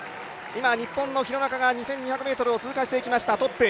今日本の廣中が２２００ｍを通過していきました、トップ。